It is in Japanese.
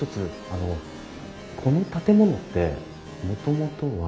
あのこの建物ってもともとは。